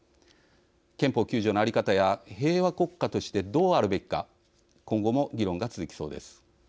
憲法９条の在り方や平和国家としてどうあるべきか今後も議論が続きそうです。